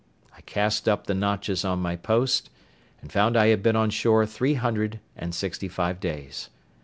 I cast up the notches on my post, and found I had been on shore three hundred and sixty five days.